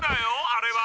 あれは」。